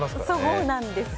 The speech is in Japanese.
そうなんです。